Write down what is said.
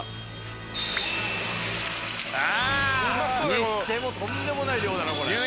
にしてもとんでもない量だなこれ。